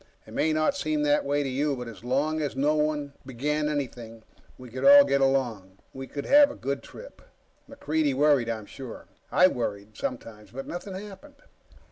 It may not seem that way to you. But as long as no one began anything, we could all get along. We could have a good trip. MacReidie worried, I'm sure. I worried, sometimes. But nothing happened.